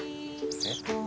えっ。